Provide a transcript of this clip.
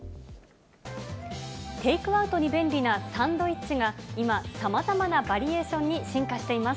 テイクアウトに便利なサンドイッチが今、さまざまなバリエーションに進化しています。